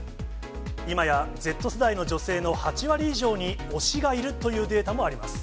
今やＺ世代の女性の８割以上に推しがいるというデータもあります。